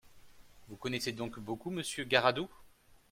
Vous connaissez donc beaucoup Monsieur Garadoux ?